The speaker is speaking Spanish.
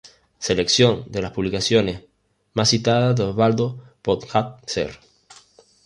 Selección de las publicaciones más citadas de Osvaldo Podhajcerː